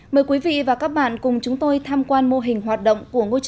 mời quý vị và các bạn cùng chúng tôi tham quan mô hình hoạt động